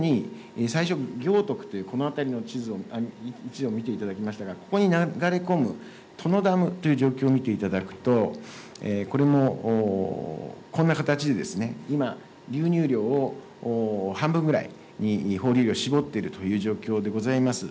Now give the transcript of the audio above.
さらに、最初、行徳という、この辺りの地図を位置を見ていただきましたが、ここに流れ込む殿ダムという状況を見ていただくと、これもこんな形でですね、今、流入量を半分ぐらいに放流を絞っているという状況でございます。